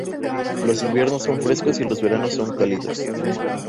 Los inviernos son frescos y los veranos son cálidos.